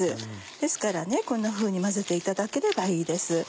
ですからこんなふうに混ぜていただければいいです。